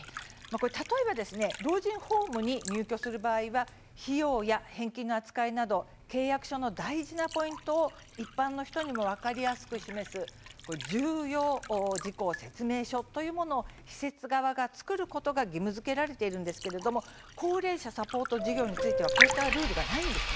例えば老人ホームに入居する場合は企業や返金の扱いなど契約書の大事なポイントを一般の人にも分かりやすく示す重要事項説明書というものを施設側が作ることが義務づけられているんですけれども高齢者サポート事業についてはこうしたルールがないんです。